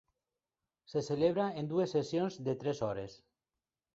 Se celebra en dues sessions de tres hores.